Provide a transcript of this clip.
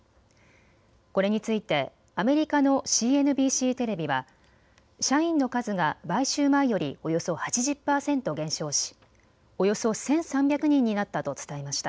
これについてアメリカのＣＮＢＣテレビは社員の数が買収前よりおよそ８０％減少し、およそ１３００人になったと伝えました。